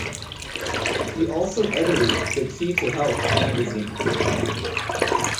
He also edited "The Key to Health" magazine.